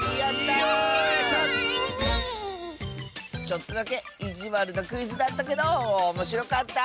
ちょっとだけいじわるなクイズだったけどおもしろかった。